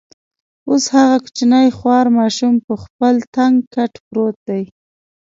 اوس هغه کوچنی خوار ماشوم پر خپل تنګ کټ پروت دی.